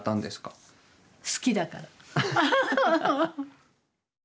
好きだから。